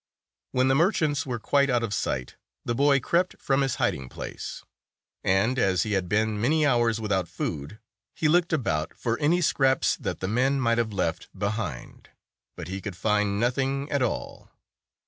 179 When the merchants were quite out of sight, the boy crept from his hiding place; and, as he had been many hours without food, he looked about for any scraps that the men might have left behind. But he could find nothing at all.